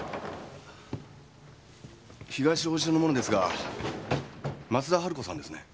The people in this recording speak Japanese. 東王子署の者ですが松田春子さんですね？